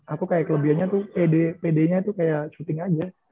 aku kayak kelebihannya tuh pd nya kayak shooting aja